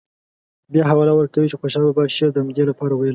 بیا حواله ورکوي چې خوشحال بابا شعر د همدې لپاره ویلی.